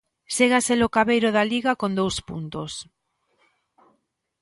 Segue a ser o cabeiro da Liga con dous puntos.